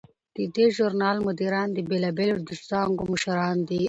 د دې ژورنال مدیران د بیلابیلو څانګو مشران دي.